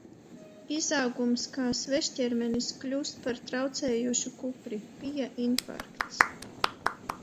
Izaugums kā svešķermenis kļūst par traucējošu kupri. Bija infarkts.